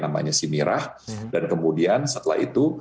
namanya simirah dan kemudian setelah itu